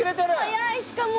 早いしかも。